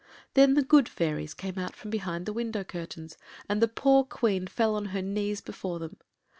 ] Then the good fairies came out from behind the window curtains, and the poor Queen fell on her knees before them.